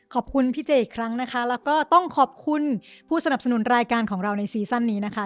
ขอบคุณพี่เจอีกครั้งนะคะแล้วก็ต้องขอบคุณผู้สนับสนุนรายการของเราในซีซั่นนี้นะคะ